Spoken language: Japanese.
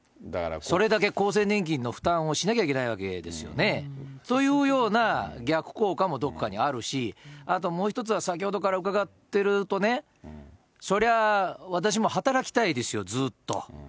それだけ厚生年金の負担をしなきゃいけないわけですよね。というような逆効果もどこかにあるし、あともう一つは先ほどから伺ってるとね、そりゃ、私も働きたいですよ、ずっと。